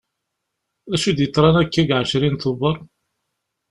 D acu i d-yeḍran akka deg ɛecrin tuḅer?